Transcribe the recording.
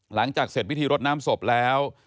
หลังจากเสร็จพิธีรดน้ำศพแล้ว